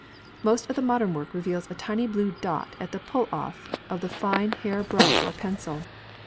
Most of the modern work reveals a tiny blue dot at the pull off of the fine hair brush or pencil.